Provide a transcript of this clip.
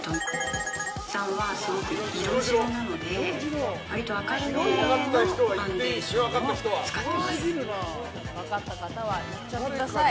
色白なので割りと明るめのファンデーションを使っています。